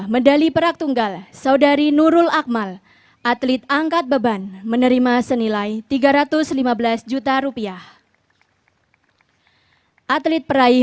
medali perak tunggal saudari nurul akmal atlet angkat beban menerima senilai tiga ratus lima belas juta rupiah atlet peraih